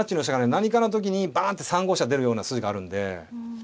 何かの時にバーンって３五飛車出るような筋があるんで。